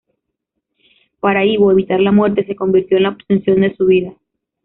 Para Ivo, evitar la muerte se convirtió en la obsesión de su vida.